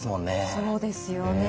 そうですよね。